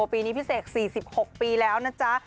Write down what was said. ปีนี้พี่เสก๔๖ปีแล้วนะจ๊ะ